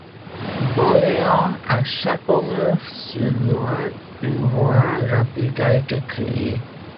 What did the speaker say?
D'Orléans à Châteauneuf-sur-Loire, une voie rapide a été créée.